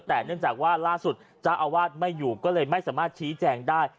แต่เนื่องจากว่าล่าสุดเจ้าอาวาสไม่อยู่ก็เลยไม่สามารถชี้แจงได้